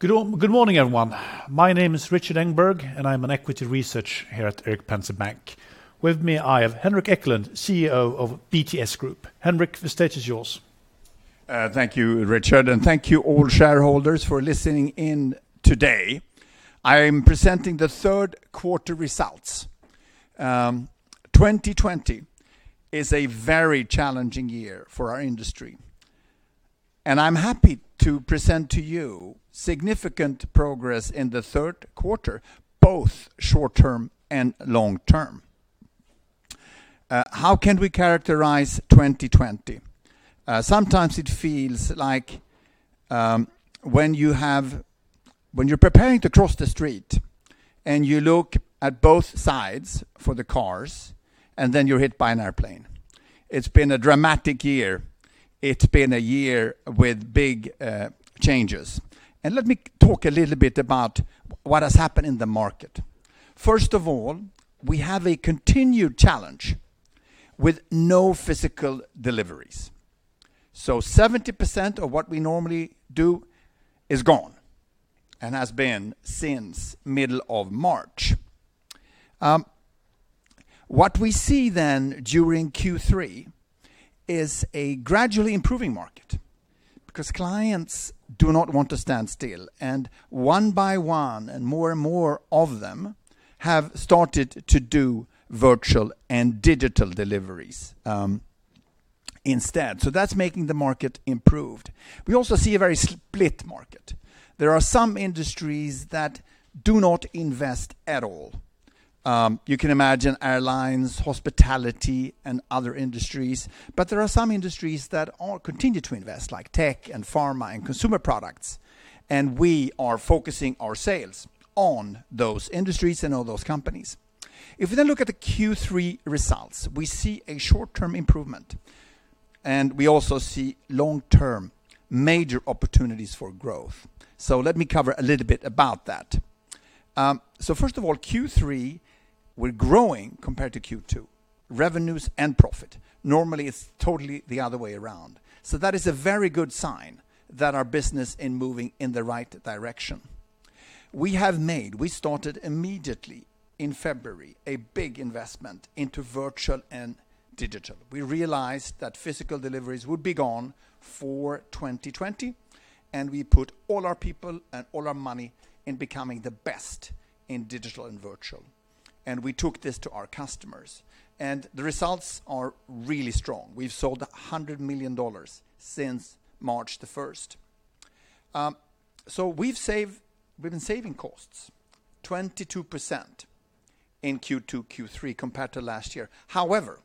Good morning, everyone. My name is Rikard Engberg, I'm an equity researcher here at Erik Penser Bank. With me, I have Henrik Ekelund, CEO of BTS Group. Henrik, the stage is yours. Thank you, Rikard, and thank you all shareholders for listening in today. I am presenting the third quarter results. 2020 is a very challenging year for our industry, and I'm happy to present to you significant progress in the Q3, both short-term and long-term. How can we characterize 2020? Sometimes it feels like when you're preparing to cross the street and you look at both sides for the cars, and then you're hit by an airplane. It's been a dramatic year. It's been a year with big changes. Let me talk a little bit about what has happened in the market. First of all, we have a continued challenge with no physical deliveries. 70% of what we normally do is gone, and has been since middle of March. What we see then during Q3 is a gradually improving market, because clients do not want to stand still, and one by one and more and more of them have started to do virtual and digital deliveries instead. That's making the market improved. We also see a very split market. There are some industries that do not invest at all. You can imagine airlines, hospitality, and other industries. There are some industries that continue to invest, like tech and pharma and consumer products, and we are focusing our sales on those industries and all those companies. If we then look at the Q3 results, we see a short-term improvement, and we also see long-term major opportunities for growth. Let me cover a little bit about that. First of all, Q3, we're growing compared to Q2, revenues and profit. Normally, it's totally the other way around. That is a very good sign that our business is moving in the right direction. We started immediately in February, a big investment into virtual and digital. We realized that physical deliveries would be gone for 2020, and we put all our people and all our money in becoming the best in digital and virtual. We took this to our customers. The results are really strong. We've sold $100 million since March the 1st. We've been saving costs, 22% in Q2, Q3 compared to last year. However,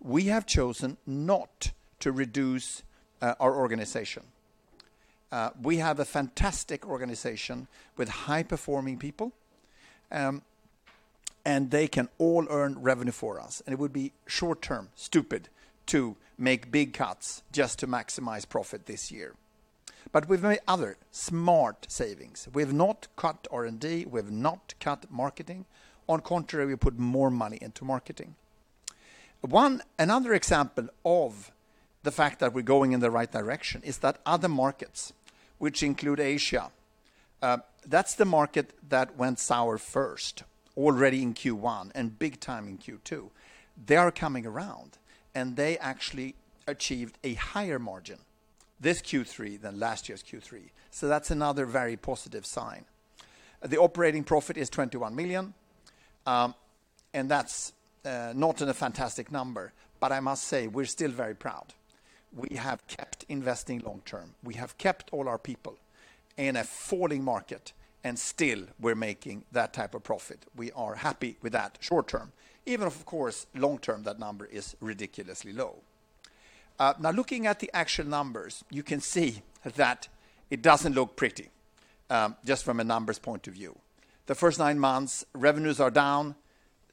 we have chosen not to reduce our organization. We have a fantastic organization with high-performing people, and they can all earn revenue for us, and it would be short-term stupid to make big cuts just to maximize profit this year. We've made other smart savings. We've not cut R&D. We've not cut marketing. On contrary, we put more money into marketing. Another example of the fact that we're going in the right direction is that other markets, which include Asia, that's the market that went sour first, already in Q1 and big time in Q2. They are coming around, and they actually achieved a higher margin this Q3 than last year's Q3. That's another very positive sign. The operating profit is 21 million, and that's not a fantastic number, but I must say we're still very proud. We have kept investing long-term. We have kept all our people in a falling market, and still we're making that type of profit. We are happy with that short-term, even if, of course, long-term, that number is ridiculously low. Looking at the actual numbers, you can see that it doesn't look pretty, just from a numbers point of view. The first nine months, revenues are down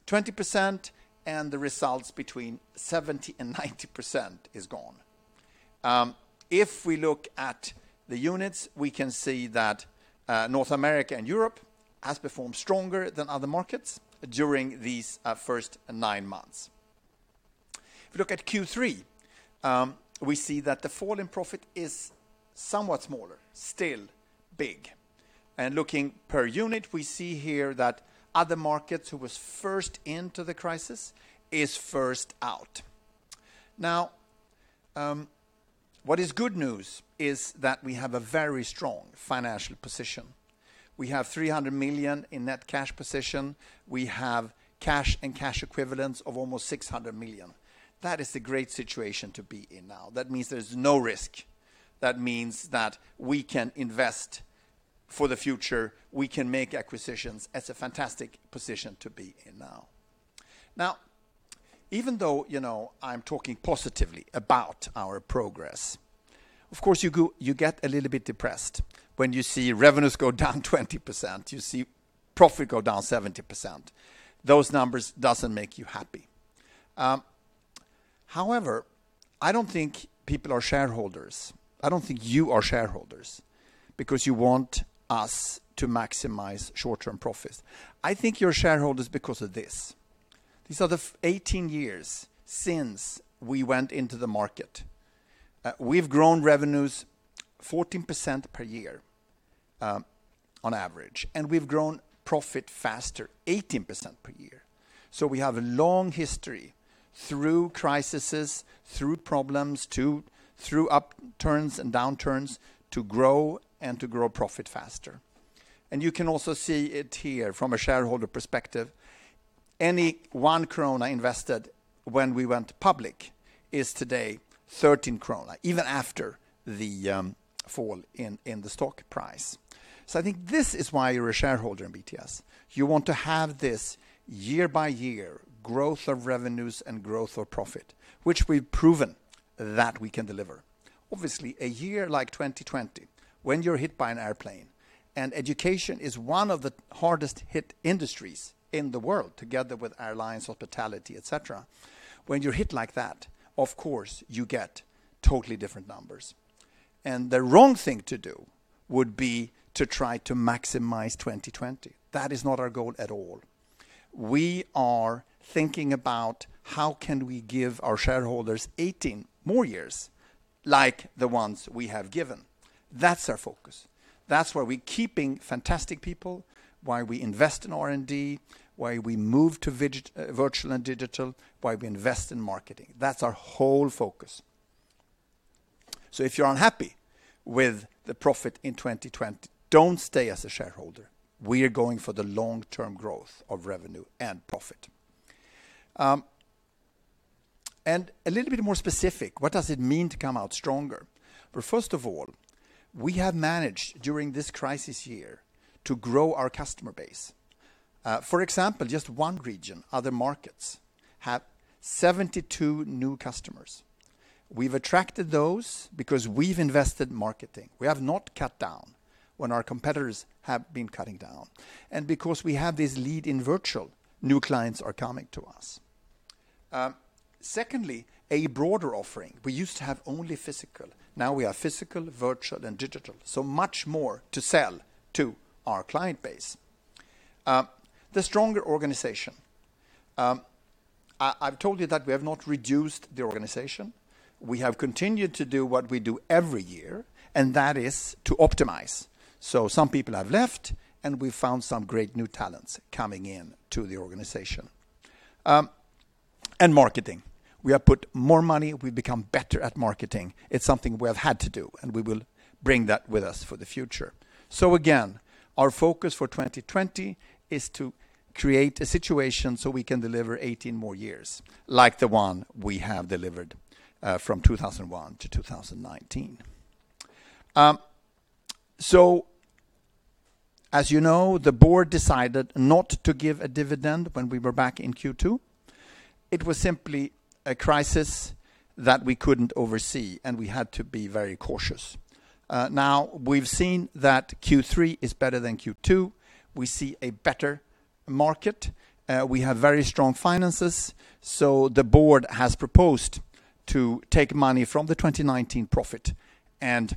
20%. The results between 70% and 90% is gone. If we look at the units, we can see that North America and Europe has performed stronger than other markets during these first nine months. If we look at Q3, we see that the fall in profit is somewhat smaller, still big. Looking per unit, we see here that other markets who was first into the crisis is first out. Now, what is good news is that we have a very strong financial position. We have 300 million in net cash position. We have cash and cash equivalents of almost 600 million. That is a great situation to be in now. That means there's no risk. That means that we can invest for the future. We can make acquisitions. It's a fantastic position to be in now. Even though I'm talking positively about our progress, of course you get a little bit depressed when you see revenues go down 20%, you see profit go down 70%. Those numbers doesn't make you happy. I don't think people are shareholders. I don't think you are shareholders because you want us to maximize short-term profits. I think you are shareholders because of These are the 18 years since we went into the market. We've grown revenues 14% per year on average, and we've grown profit faster, 18% per year. We have a long history through crises, through problems, through upturns and downturns, to grow and to grow profit faster. You can also see it here from a shareholder perspective. Any one SEK invested when we went public is today 13 krona, even after the fall in the stock price. I think this is why you're a shareholder in BTS. You want to have this year-by-year growth of revenues and growth of profit, which we've proven that we can deliver. Obviously, a year like 2020, when you're hit by an airplane, education is one of the hardest hit industries in the world, together with airlines, hospitality, et cetera. When you're hit like that, of course, you get totally different numbers. The wrong thing to do would be to try to maximize 2020. That is not our goal at all. We are thinking about how can we give our shareholders 18 more years like the ones we have given. That's our focus. That's why we're keeping fantastic people, why we invest in R&D, why we move to virtual and digital, why we invest in marketing. That's our whole focus. If you're unhappy with the profit in 2020, don't stay as a shareholder. We are going for the long-term growth of revenue and profit. A little bit more specific, what does it mean to come out stronger? First of all, we have managed, during this crisis year, to grow our customer base. Just one region, Other Markets, have 72 new customers. We've attracted those because we've invested marketing. We have not cut down when our competitors have been cutting down. Because we have this lead in virtual, new clients are coming to us. Secondly, a broader offering. We used to have only physical. Now we are physical, virtual, and digital, so much more to sell to our client base. The stronger organization. I've told you that we have not reduced the organization. We have continued to do what we do every year, and that is to optimize. Some people have left, and we've found some great new talents coming into the organization. Marketing, we have put more money. We've become better at marketing. It's something we have had to do, and we will bring that with us for the future. Again, our focus for 2020 is to create a situation so we can deliver 18 more years like the one we have delivered from 2001 to 2019. As you know, the board decided not to give a dividend when we were back in Q2. It was simply a crisis that we couldn't oversee, and we had to be very cautious. Now we've seen that Q3 is better than Q2. We see a better market. We have very strong finances. The board has proposed to take money from the 2019 profit and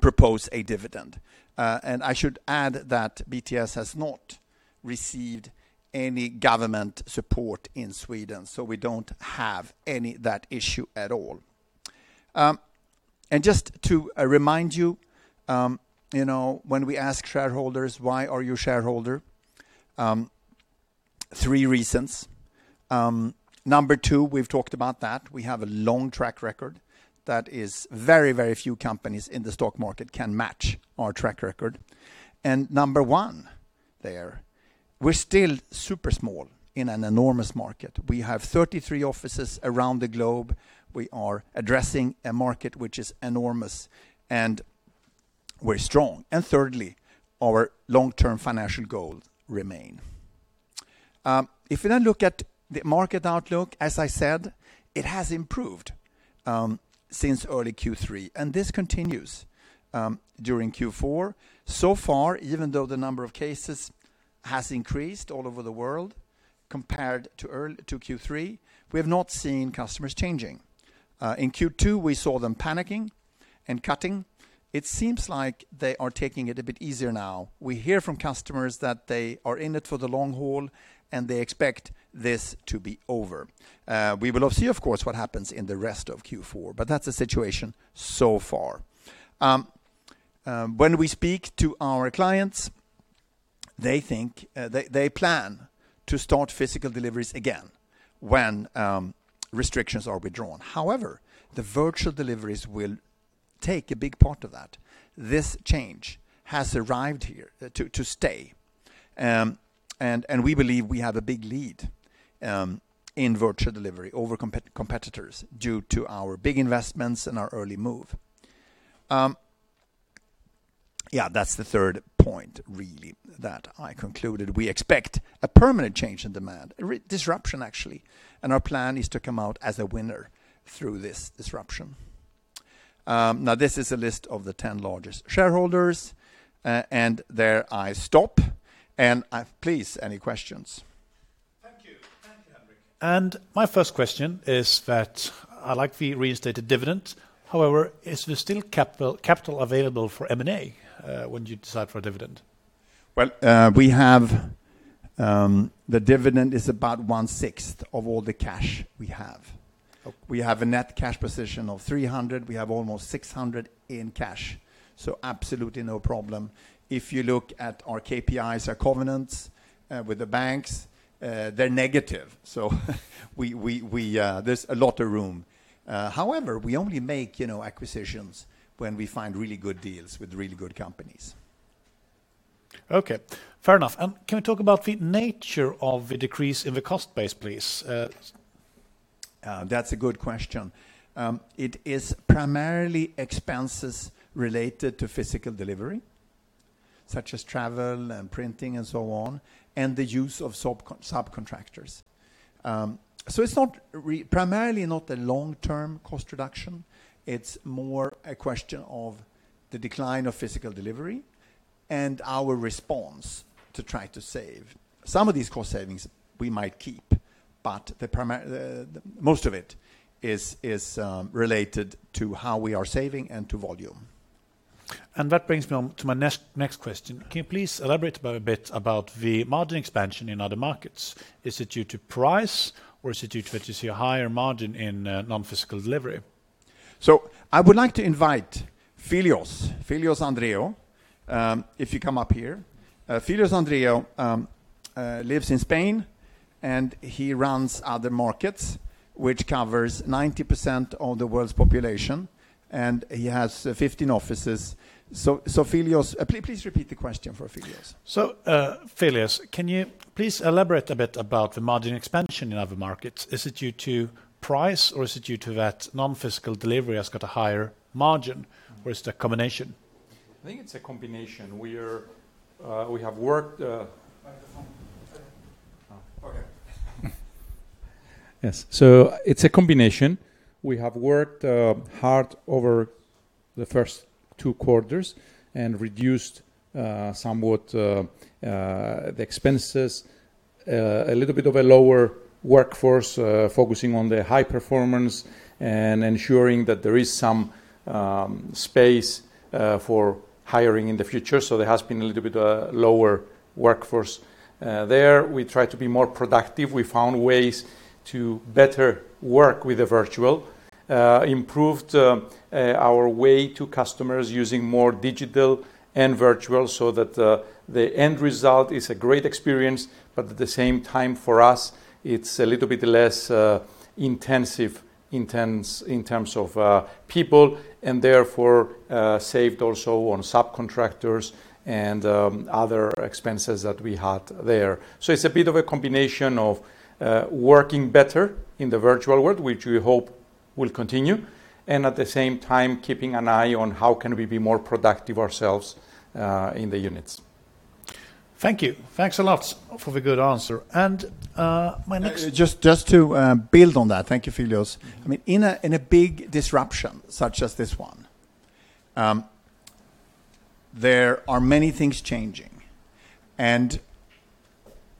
propose a dividend. I should add that BTS has not received any government support in Sweden, so we don't have any of that issue at all. Just to remind you, when we ask shareholders, "Why are you a shareholder?" Three reasons. Number two, we've talked about that. We have a long track record that is very few companies in the stock market can match our track record. Number one there, we're still super small in an enormous market. We have 33 offices around the globe. We are addressing a market which is enormous, and we're strong. Thirdly, our long-term financial goals remain. If we now look at the market outlook, as I said, it has improved since early Q3, and this continues during Q4. Even though the number of cases has increased all over the world compared to Q3, we have not seen customers changing. In Q2, we saw them panicking and cutting. It seems like they are taking it a bit easier now. We hear from customers that they are in it for the long haul, and they expect this to be over. We will see, of course, what happens in the rest of Q4. That's the situation so far. When we speak to our clients, they plan to start physical deliveries again when restrictions are withdrawn. However, the virtual deliveries will take a big part of that. This change has arrived here to stay. We believe we have a big lead in virtual delivery over competitors due to our big investments and our early move. Yeah, that's the third point, really, that I concluded. We expect a permanent change in demand, disruption, actually, and our plan is to come out as a winner through this disruption. This is a list of the 10 largest shareholders, and there I stop. Please, any questions? My first question is that I like the reinstated dividend, however, is there still capital available for M&A when you decide for a dividend? Well, the dividend is about one sixth of all the cash we have. Okay. We have a net cash position of 300. We have almost 600 in cash, absolutely no problem. If you look at our KPIs, our covenants with the banks, they're negative. There's a lot of room. However, we only make acquisitions when we find really good deals with really good companies. Okay. Fair enough. Can we talk about the nature of the decrease in the cost base, please? That's a good question. It is primarily expenses related to physical delivery, such as travel and printing and so on, and the use of subcontractors. It's primarily not a long-term cost reduction. It's more a question of the decline of physical delivery and our response to try to save. Some of these cost savings we might keep, but most of it is related to how we are saving and to volume. That brings me on to my next question. Can you please elaborate a bit about the margin expansion in other markets? Is it due to price or is it due to that you see a higher margin in non-physical delivery? I would like to invite Philios Andreou, if you come up here. Philios Andreou lives in Spain and he runs Other Markets, which covers 90% of the world's population, and he has 15 offices. Philios, please repeat the question for Philios. Philios, can you please elaborate a bit about the margin expansion in Other Markets? Is it due to price or is it due to that non-physical delivery has got a higher margin, or is it a combination? I think it's a combination. Microphone. Yes. It's a combination. We have worked hard over the first two quarters and reduced somewhat the expenses, a little bit of a lower workforce, focusing on the high performance and ensuring that there is some space for hiring in the future. There has been a little bit lower workforce there. We try to be more productive. We found ways to better work with the virtual, improved our way to customers using more digital and virtual so that the end result is a great experience, but at the same time, for us, it's a little bit less intense in terms of people and therefore, saved also on subcontractors and other expenses that we had there. It's a bit of a combination of working better in the virtual world, which we hope will continue, and at the same time keeping an eye on how can we be more productive ourselves in the units. Thank you. Thanks a lot for the good answer. Just to build on that. Thank you, Philios. In a big disruption such as this one, there are many things changing, and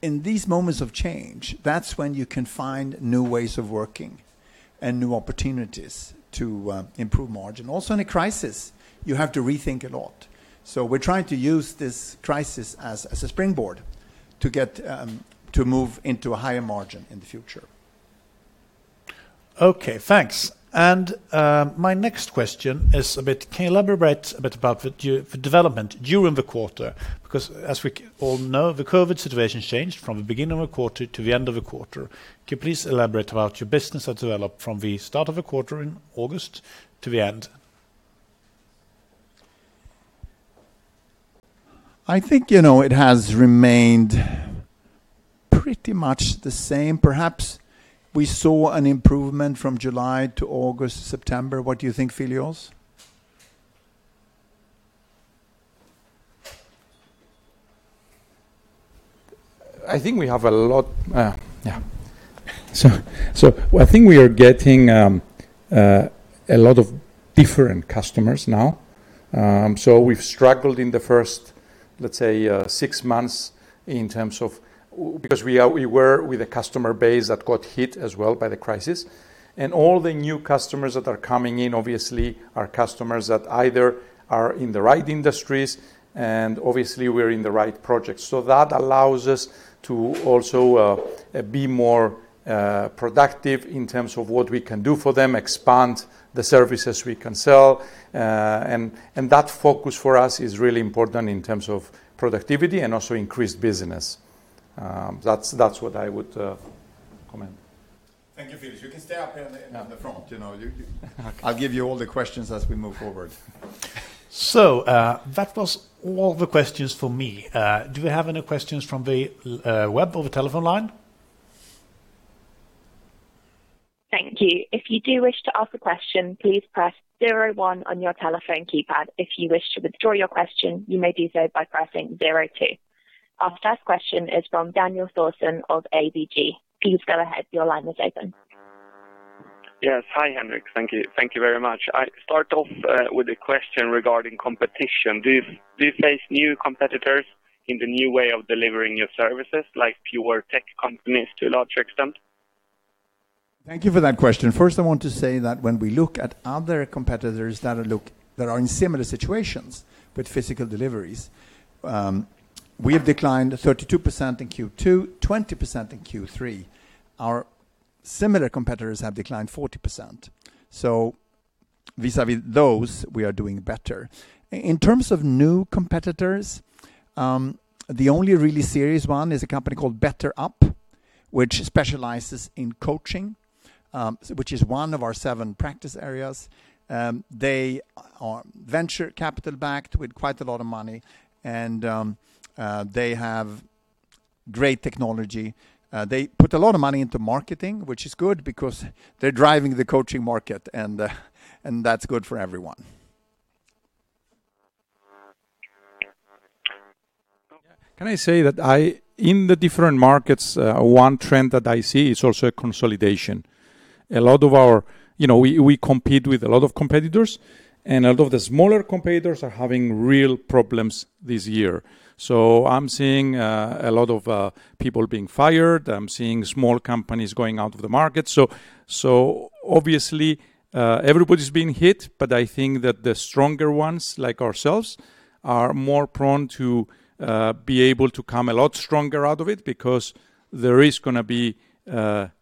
in these moments of change, that's when you can find new ways of working and new opportunities to improve margin. Also in a crisis, you have to rethink a lot. We're trying to use this crisis as a springboard to move into a higher margin in the future. Okay, thanks. My next question is can you elaborate a bit about the development during the quarter? As we all know, the COVID situation changed from the beginning of the quarter to the end of the quarter. Can you please elaborate about your business that developed from the start of the quarter in August to the end? I think it has remained pretty much the same. Perhaps we saw an improvement from July to August, September. What do you think, Philios? I think we have a lot Yeah. I think we are getting a lot of different customers now. We've struggled in the first, let's say, six months because we were with a customer base that got hit as well by the crisis. All the new customers that are coming in obviously are customers that either are in the right industries and obviously we're in the right project. That allows us to also be more productive in terms of what we can do for them, expand the services we can sell. That focus for us is really important in terms of productivity and also increased business. That's what I would comment. Thank you, Philios. You can stay up here in the front. Okay. I'll give you all the questions as we move forward. That was all the questions for me. Do we have any questions from the web or the telephone line? Thank you. Our first question is from Daniel Thorsson of ABG Sundal Collier. Please go ahead. Your line is open Yes. Hi, Henrik. Thank you very much. I start off with a question regarding competition. Do you face new competitors in the new way of delivering your services, like pure tech companies to a larger extent? Thank you for that question. First, I want to say that when we look at other competitors that are in similar situations with physical deliveries, we have declined 32% in Q2, 20% in Q3. Our similar competitors have declined 40%. Vis-a-vis those, we are doing better. In terms of new competitors, The only really serious one is a company called BetterUp, which specializes in coaching, which is one of our seven practice areas. They are venture capital backed with quite a lot of money, and they have great technology. They put a lot of money into marketing, which is good because they're driving the coaching market, and that's good for everyone. Can I say that in the different markets, one trend that I see is also a consolidation. We compete with a lot of competitors, and a lot of the smaller competitors are having real problems this year. I'm seeing a lot of people being fired. I'm seeing small companies going out of the market. Obviously, everybody's been hit, but I think that the stronger ones, like ourselves, are more prone to be able to come a lot stronger out of it because there is going to be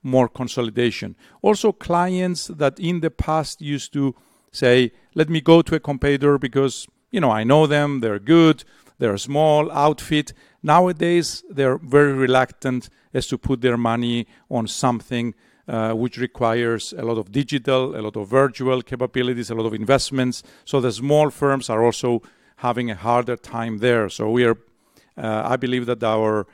more consolidation. Also, clients that in the past used to say, "Let me go to a competitor because I know them, they're good, they're a small outfit." Nowadays, they're very reluctant as to put their money on something which requires a lot of digital, a lot of virtual capabilities, a lot of investments. The small firms are also having a harder time there. I believe that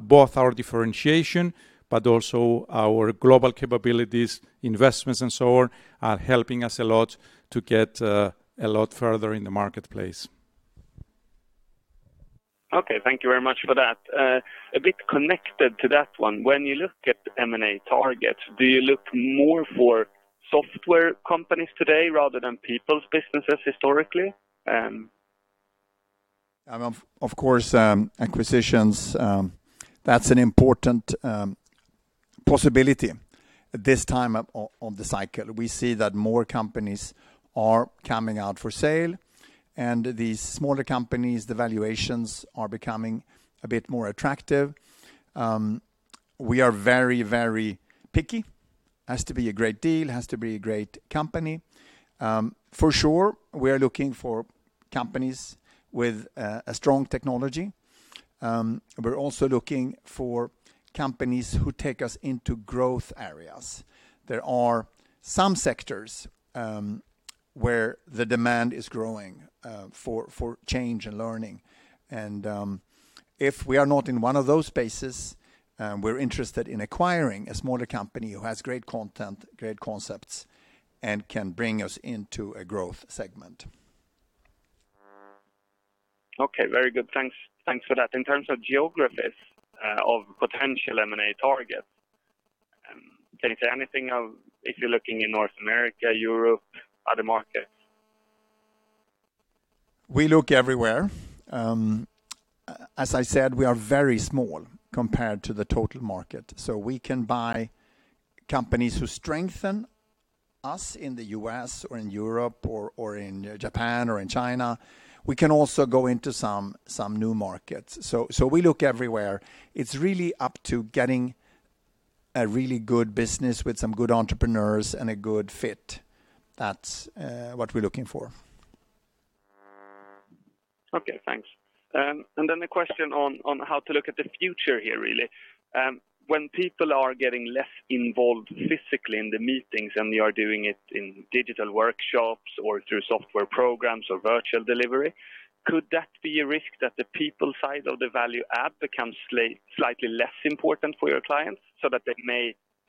both our differentiation, but also our global capabilities, investments, and so on, are helping us a lot to get a lot further in the marketplace. Okay. Thank you very much for that. A bit connected to that one. When you look at M&A targets, do you look more for software companies today rather than people's businesses historically? Of course, acquisitions, that's an important possibility at this time of the cycle. We see that more companies are coming out for sale, these smaller companies, the valuations are becoming a bit more attractive. We are very picky. Has to be a great deal, has to be a great company. For sure, we are looking for companies with a strong technology. We're also looking for companies who take us into growth areas. There are some sectors where the demand is growing for change and learning. If we are not in one of those spaces, we're interested in acquiring a smaller company who has great content, great concepts, and can bring us into a growth segment. Okay. Very good. Thanks for that. In terms of geographies of potential M&A targets, can you say anything if you're looking in North America, Europe, other markets? We look everywhere. As I said, we are very small compared to the total market. We can buy companies who strengthen us in the U.S. or in Europe or in Japan or in China. We can also go into some new markets. We look everywhere. It's really up to getting a really good business with some good entrepreneurs and a good fit. That's what we're looking for. Okay, thanks. The question on how to look at the future here, really. When people are getting less involved physically in the meetings, and we are doing it in digital workshops or through software programs or virtual delivery, Could that be a risk that the people side of the value add becomes slightly less important for your clients so that they may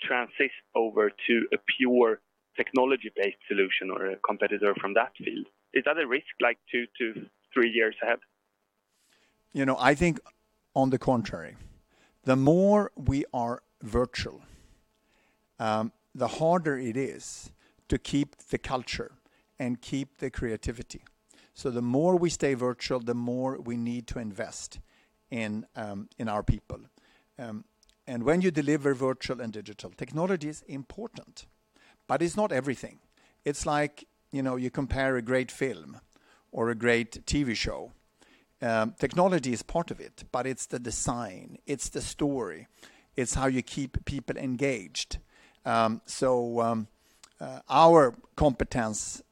transition over to a pure technology-based solution or a competitor from that field? Is that a risk, like two to three years ahead? I think on the contrary. The more we are virtual, the harder it is to keep the culture and keep the creativity. The more we stay virtual, the more we need to invest in our people. When you deliver virtual and digital, technology is important, but it's not everything. It's like you compare a great film or a great TV show. Technology is part of it, but it's the design, it's the story, it's how you keep people engaged. Our competence,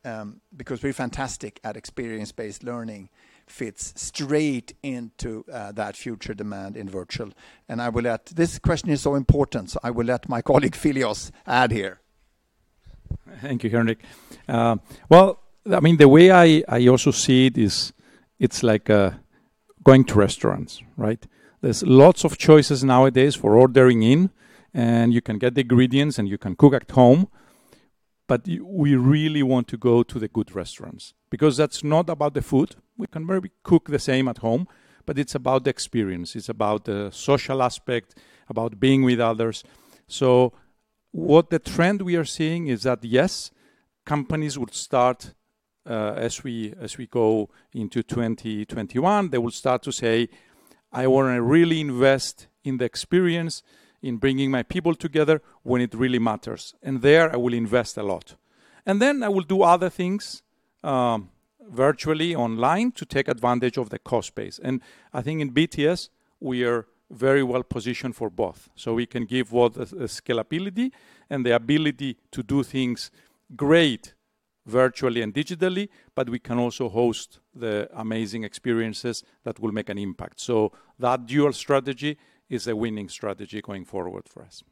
because we're fantastic at experience-based learning, fits straight into that future demand in virtual. This question is so important, so I will let my colleague, Philios, add here. Thank you, Henrik. The way I also see it is it's like going to restaurants, right? There's lots of choices nowadays for ordering in, and you can get the ingredients and you can cook at home. We really want to go to the good restaurants because that's not about the food. We can maybe cook the same at home, but it's about the experience. It's about the social aspect, about being with others. What the trend we are seeing is that, yes, companies would start, as we go into 2021, they will start to say, "I want to really invest in the experience in bringing my people together when it really matters, and there I will invest a lot." Then I will do other things virtually online to take advantage of the cost base. I think in BTS we are very well positioned for both. We can give both the scalability and the ability to do things great virtually and digitally, but we can also host the amazing experiences that will make an an impact. That dual strategy is a winning strategy going forward for us.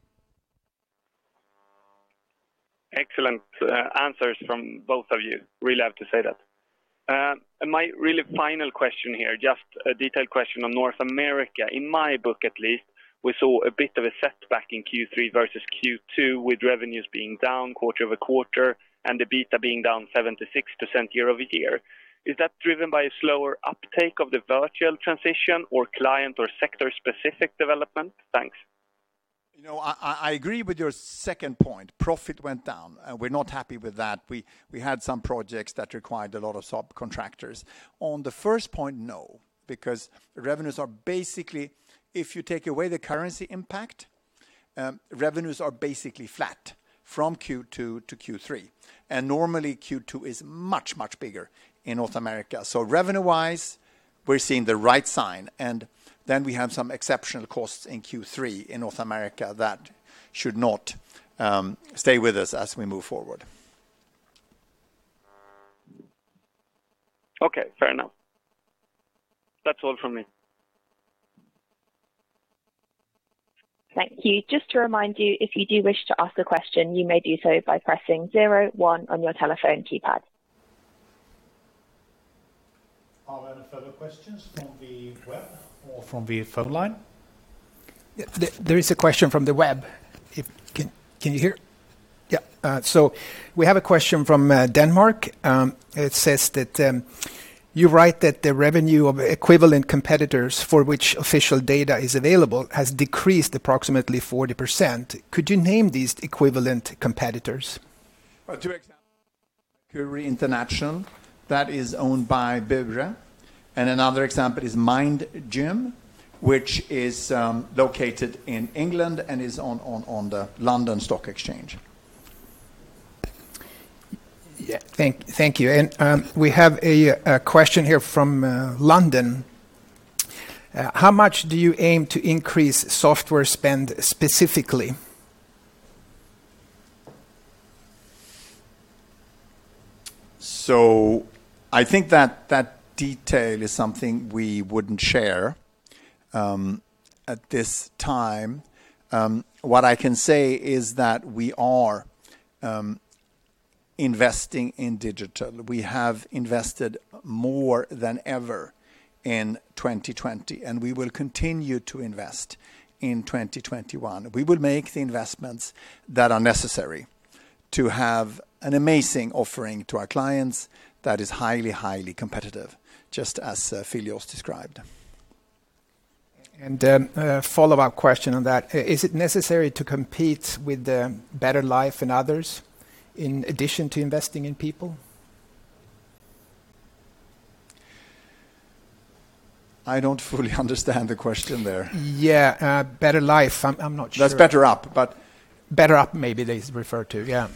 Excellent answers from both of you. Really have to say that. My really final question here, just a detailed question on North America. In my book at least, we saw a bit of a setback in Q3 versus Q2, with revenues being down quarter-over-quarter and EBITDA being down 76% year-over-year. Is that driven by a slower uptake of the virtual transition or client or sector specific development? Thanks. I agree with your second point. Profit went down. We're not happy with that. We had some projects that required a lot of subcontractors. On the first point, no, because revenues are basically, if you take away the currency impact, revenues are basically flat from Q2 to Q3, and normally Q2 is much, much bigger in North America. Revenue-wise, we're seeing the right sign, and then we have some exceptional costs in Q3 in North America that should not stay with us as we move forward. Okay, fair enough. That's all from me. Thank you. Just to remind you, if you do wish to ask a question, you may do so by pressing zero one on your telephone keypad. Are there any further questions from the web or from the phone line? There is a question from the web. Can you hear? Yeah. We have a question from Denmark. It says that you write that the revenue of equivalent competitors for which official data is available has decreased approximately 40%. Could you name these equivalent competitors? Two examples, Korn Ferry International, that is on the NYSE, and another example is Mind Gym, which is located in England and is on the London Stock Exchange. Yeah. Thank you. We have a question here from London. How much do you aim to increase software spend specifically? I think that detail is something we wouldn't share at this time. What I can say is that we are investing in digital. We have invested more than ever in 2020, we will continue to invest in 2021. We will make the investments that are necessary to have an amazing offering to our clients that is highly competitive, just as Philios described. A follow-up question on that, is it necessary to compete with the BetterUp and others in addition to investing in people? I don't fully understand the question there. Yeah. BetterUp, I'm not sure. That's BetterUp. BetterUp maybe that is referred to, yeah.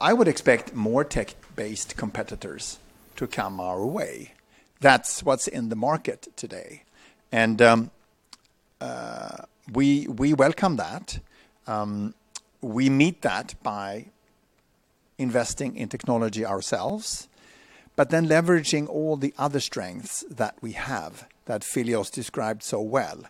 I would expect more tech-based competitors to come our way. That's what's in the market today. We welcome that. We meet that by investing in technology ourselves, but then leveraging all the other strengths that we have that Philios described so well.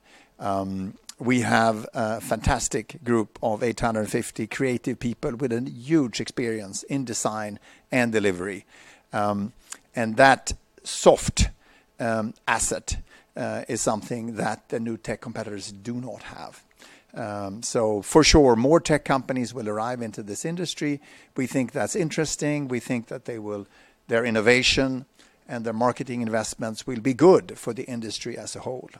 We have a fantastic group of 850 creative people with a huge experience in design and delivery. That soft asset is something that the new tech competitors do not have. For sure, more tech companies will arrive into this industry. We think that's interesting. We think that their innovation and their marketing investments will be good for the industry as a whole.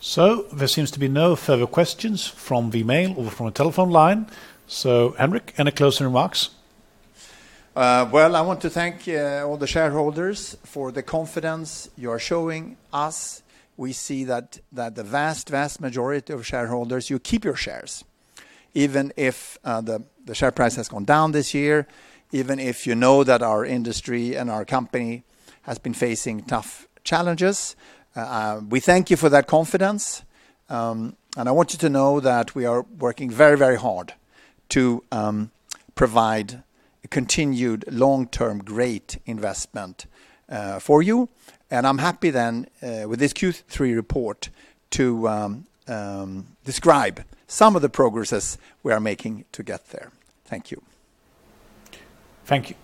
There seems to be no further questions from the mail or from the telephone line. Henrik, any closing remarks? Well, I want to thank all the shareholders for the confidence you are showing us. We see that the vast majority of shareholders, you keep your shares even if the share price has gone down this year, even if you know that our industry and our company has been facing tough challenges. We thank you for that confidence, and I want you to know that we are working very, very hard to provide continued long-term great investment for you. I'm happy then with this Q3 report to describe some of the progresses we are making to get there. Thank you. Thank you.